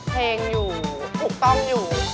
เพลงอยู่ถูกต้องอยู่